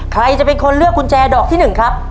ใครจะเป็นคนเลือกกุญแจดอกที่๑ครับ